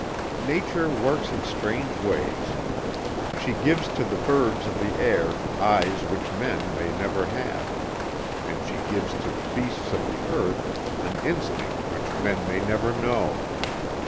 Nature works in strange ways. She gives to the birds of the air eyes which men may never have, and she gives to the beasts of the earth an instinct which men may never know.